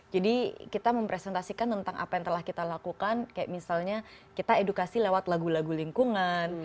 jadi kita mempresentasikan tentang apa yang telah kita lakukan kayak misalnya kita edukasi lewat lagu lagu lingkungan